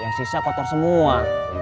yang sisa kotor semua